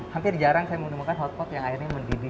hampir jarang saya menggunakan hotpot yang airnya mendidih